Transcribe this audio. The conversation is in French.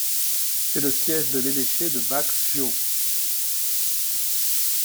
C'est le siège de l'évêché de Växjö.